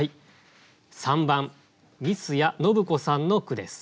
３番翠簾屋信子さんの句です。